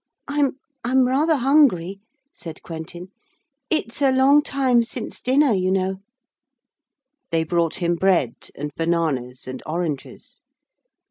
'I ... I'm rather hungry,' said Quentin; 'it's a long time since dinner, you know.' They brought him bread and bananas, and oranges.